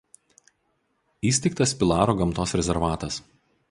Įsteigtas Pilaro gamtos rezervatas.